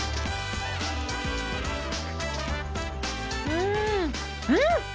うんうん！